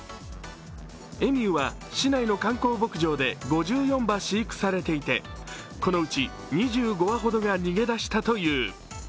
エミューは市内の観光牧場で５４羽飼育されていてこのうち２５羽ほどが逃げ出したという。